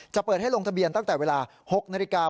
จะเปิดให้ลงทะเบียนตั้งแต่เวลา๖นาฬิกา